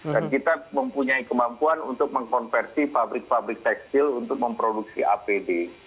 dan kita mempunyai kemampuan untuk mengkonversi pabrik pabrik tekstil untuk memproduksi apd